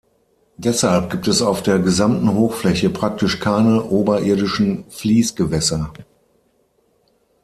Deshalb gibt es auf der gesamten Hochfläche praktisch keine oberirdischen Fliessgewässer.